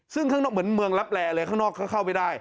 ซึ่งเหมือนเมืองรับแรกเลยข้างนอกเข้าไปได้